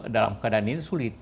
dalam keadaan ini sulit